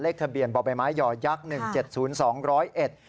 เลขทะเบียนบ่อไปไม้หย่อยักษ์๑๗๐๒๐๑